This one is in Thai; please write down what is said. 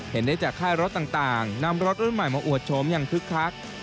เห็นได้จากค่ายรถต่างนำรถรุ่นใหม่มาอวดโฉมอย่างคึกคัก